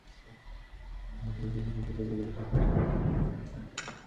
আমি তাঁর নামটিই শুধু বললাম, পরিচয় দিতে গেলে অনেকগুলো বিশেষণ প্রয়োজন হবে।